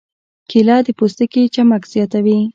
کېله د پوستکي چمک زیاتوي.